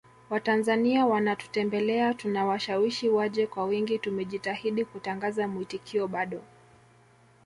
Watanzania wanatutembelea tunawashawishi waje kwa wingi tumejitahidi kutangaza mwitikio bado